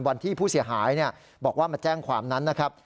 วันที่ผู้เสียหายบอกว่ามาแจ้งความนั้นนะครับ